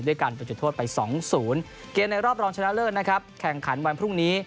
ด้วยการจุดโทษไป๒๐เกณฑ์ในรอบรองชนะเล่นแข่งขันวันพรุ่งนี้